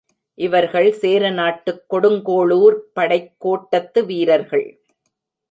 இவர்கள் சேரநாட்டுக் கொடுங்கோளூர்ப் படைக் கோட்டத்து வீரர்கள்.